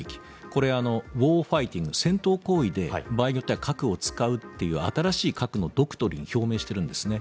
これ、ゴー・ファイティング戦闘行為で場合によっては核を使うという新しい核のドクトリンを表明しているんですね。